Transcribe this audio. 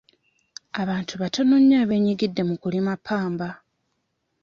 Abantu batono nnyo abeenyigidde mu kulima ppamba.